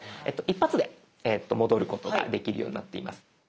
一発で戻ることができるようになっています。